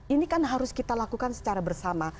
ini kan harus kita lakukan secara bersama